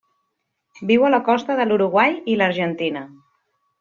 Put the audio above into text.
Viu a la costa de l'Uruguai i l'Argentina.